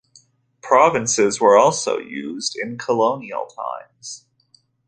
Provinces were also used in colonial times.